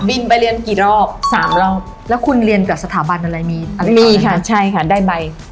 ไปเรียนกี่รอบสามรอบแล้วคุณเรียนกับสถาบันอะไรมีอะไรมีค่ะใช่ค่ะได้ใบ